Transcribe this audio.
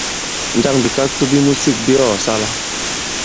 Njâŋ bìkakto bi musik bi ɔ kɔ̀sala ?